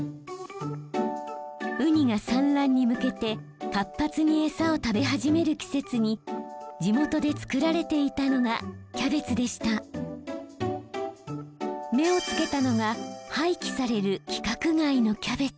ウニが産卵に向けて活発に餌を食べ始める季節に地元で作られていたのが目を付けたのが廃棄される規格外のキャベツ。